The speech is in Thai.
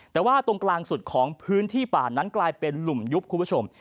แต่ว่าตรงกลางสุดของพื้นที่ป่านั้นกลายเป็นหลุมยุบคุณผู้ชม